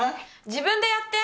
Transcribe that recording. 自分でやって！